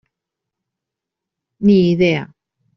Ni idea.